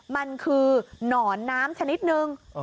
มันคือหนอนน้ำชนิดนึง